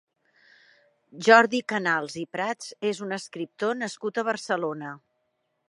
Jordi Canals i Prats és un escriptor nascut a Barcelona.